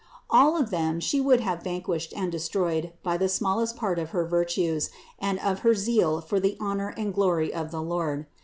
All of them She would have 2 19 270 CITY OF GOD vanquished and destroyed by the smallest part of her virtues and of her zeal for the honor and glory of the Lord.